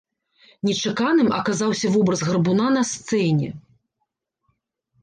Нечаканым аказаўся вобраз гарбуна на сцэне.